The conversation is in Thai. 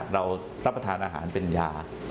เรารับประทานอาหารเป็นยา